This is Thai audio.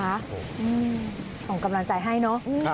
อืมส่งกำลังจ่ายให้เนอะ